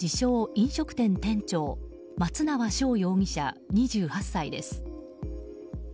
・飲食店店長松縄将容疑者、２８歳です。